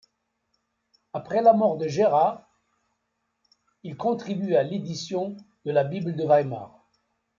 Après la mort de Gerhard, il contribue à l'édition de la Bible de Weimar.